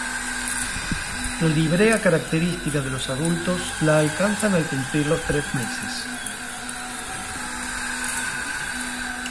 La librea característica de los adultos la alcanzan al cumplir los tres meses.